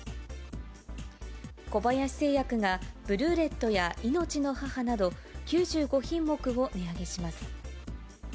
小林製薬が、ブルーレットや命の母など、９５品目を値上げします。